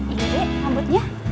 ini dek rambutnya